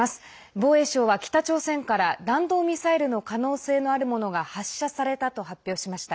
防衛省は北朝鮮から弾道ミサイルの可能性のあるものが発射されたと発表しました。